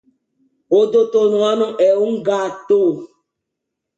O Doutor Nuno é um gato